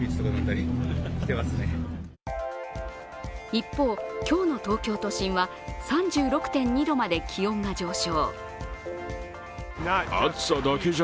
一方、今日の東京都心は３６．２度まで気温が上昇。